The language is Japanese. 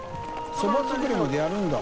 笋襪鵑そば作りまでやるんだ。